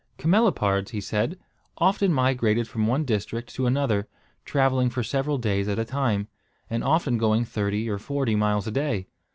Camelopards, he said, often migrated from one district to another, travelling for several days at a time, and often going thirty or forty miles a day.